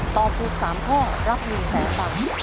ตอบถูก๓ข้อรับ๑๐๐๐บาท